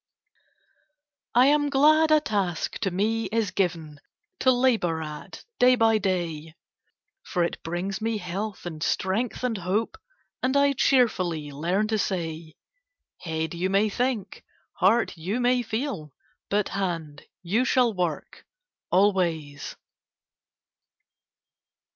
I am glad a task to me is given To labor at day by day; For it brings me health, and strength, and hope, And I cheerfully learn to say 'Head, you may think; heart, you may feel; But hand, you shall work always!'